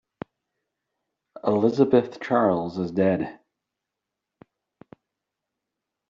Elizabeth Charles is dead.